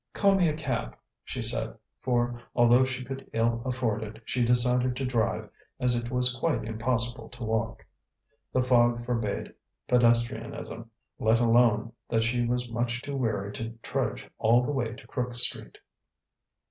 "Call me a cab," she said, for although she could ill afford it, she decided to drive, as it was quite impossible to walk. The fog forbade pedestrianism, let alone that she was much too weary to trudge all the way to Crook Street.